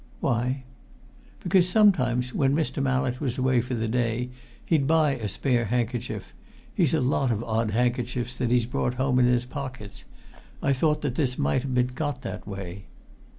"Why?" "Because sometimes when Mr. Mallett was away for the day he'd buy a spare handkerchief he's a lot of odd handkerchiefs that he's brought home in his pockets. I thought this might have been got that way."